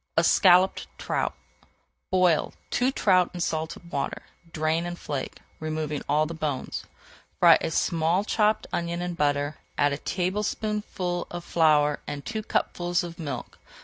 ESCALLOPED TROUT Boil two trout in salted water, drain and flake, removing all the bones. Fry a small chopped onion in butter, add a tablespoonful of flour and two cupfuls of milk.